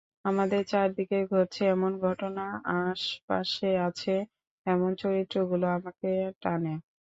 আমাদের চারদিকে ঘটছে, এমন ঘটনা, আশপাশে আছে, এমন চরিত্রগুলোই আমাকে টানে।